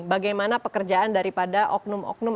bagaimana pekerjaan daripada oknum oknum